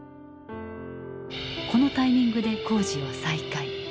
このタイミングで工事を再開。